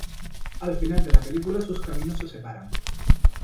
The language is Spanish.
Al final de la película sus caminos se separan.